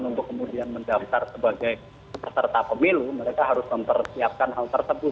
untuk kemudian mendaftar sebagai peserta pemilu mereka harus mempersiapkan hal tersebut